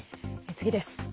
次です。